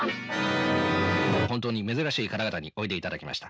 本当に珍しい方々においでいただきました。